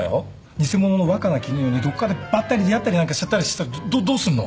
偽者の若菜絹代にどっかでばったり出会ったりなんかしちゃったりしたらどっどうすんの？